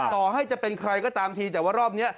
ต่อให้จะเป็นใครก็ตามทีแต่ว่ารอบนี้